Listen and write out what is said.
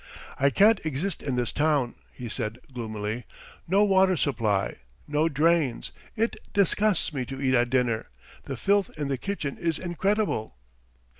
"I can't exist in this town," he said gloomily. "No water supply, no drains! It disgusts me to eat at dinner; the filth in the kitchen is incredible.